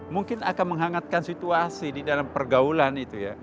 mungkin akan menghangatkan situasi di dalam pergaulan itu ya